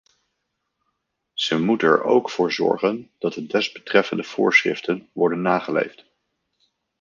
Ze moet er ook voor zorgen dat de desbetreffende voorschriften worden nageleefd.